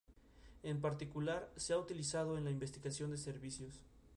En particular, se ha utilizado en la investigación de servicios.